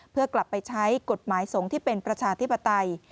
เพื่อกลับไปใช้กฎหมายสงฆ์ที่เป็นประชาธิปไตย